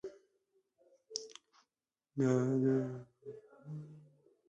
د دورکهايم نظریات د علمي اصولو په پرتله دقیق توضیحات لري.